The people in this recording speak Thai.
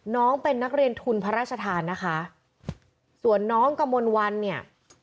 น้องเป็นนักเรียนทุนพระราชทานนะคะส่วนน้องกระมวลวันเนี่ย